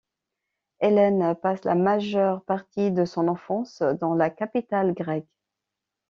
Hélène passe la majeure partie de son enfance dans la capitale grecque.